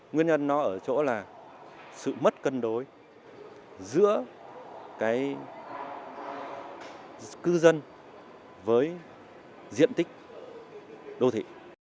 nguyên nhân nó ở chỗ là sự mất cân đối giữa cái cư dân với diện tích đô thị